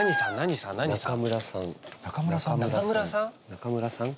中村さん